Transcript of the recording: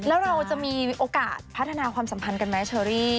แล้วเราจะมีโอกาสพัฒนาความสัมพันธ์กันไหมเชอรี่